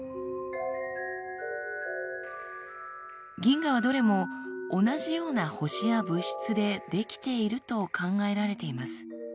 銀河はどれも同じような星や物質で出来ていると考えられています。